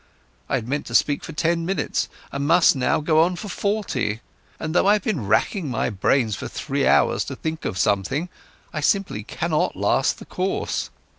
I had meant to speak for ten minutes and must now go on for forty, and, though I've been racking my brains for three hours to think of something, I simply cannot last the course.